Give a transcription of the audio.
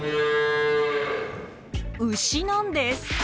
牛なんです。